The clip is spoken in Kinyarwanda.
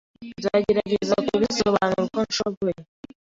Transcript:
Nzagerageza kubisobanura uko nshoboye